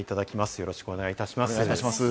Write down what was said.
よろしくお願いします。